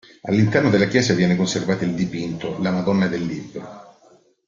All'interno della chiesa viene conservato il dipinto La Madonna del Libro.